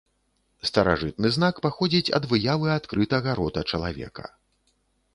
Старажытны знак паходзіць ад выявы адкрытага рота чалавека.